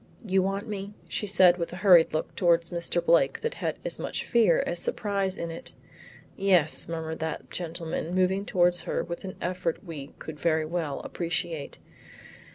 "You want me?" said she with a hurried look towards Mr. Blake that had as much fear as surprise in it. "Yes," murmured that gentleman moving towards her with an effort we could very well appreciate.